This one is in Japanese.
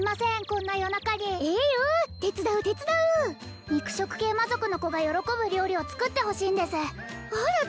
こんな夜中にええよ手伝う手伝う肉食系魔族の子が喜ぶ料理を作ってほしいんですあら